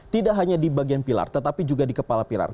tidak hanya di bagian pilar tetapi juga di kepala pilar